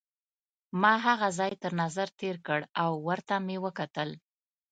ما هغه ځای تر نظر تېر کړ او ورته مې وکتل.